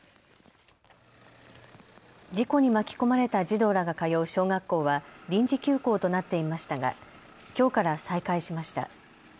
事故に巻き込まれた児童らが通う小学校は臨時休校となっていましたが、きょうから再開しました。